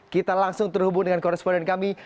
kita langsung terhubung dengan koresponden kami